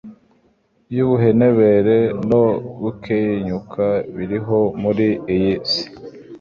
y’ubuhenebere no gukenyuka biriho muri iyi si.